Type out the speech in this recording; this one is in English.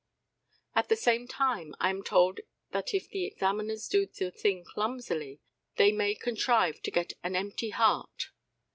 At the same time, I am told that if the examiners do the thing clumsily, they may contrive to get an empty heart.